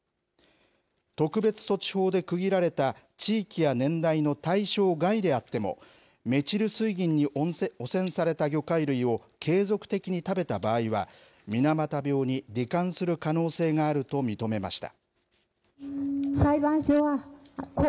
特別措置法で区切られた地域や年代の対象外であってもメチル水銀に汚染された魚介類を継続的に食べた場合は水俣病にり患する可能性があると認めました。